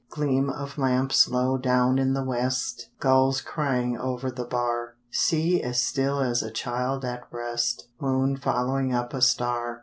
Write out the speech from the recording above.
Gleam of lamps low down in the west, Gulls crying over the bar, Sea as still as a child at breast, Moon following up a star.